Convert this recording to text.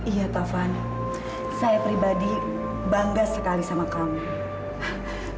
iya taufan saya pribadi bangga sekali sama kamu